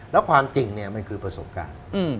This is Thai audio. แล้วความจริงเนี่ยมันคือประสบการณ์